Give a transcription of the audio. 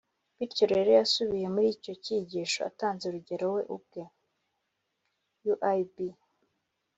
bityo rero yasubiye muri icyo cyigisho atanze urugero we ubwe uib